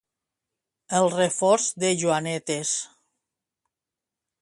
El reforç de Joanetes.